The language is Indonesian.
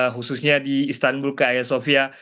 khususnya di istanbul ke ayasofya